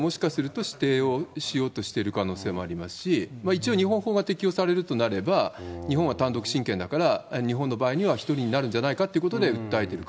監護権のもしかすると指定をしようとしている可能性もありますし、一応、日本法が適用されるとすれば、日本は単独親権だから、日本の場合には１人になるんじゃないかということで訴えている可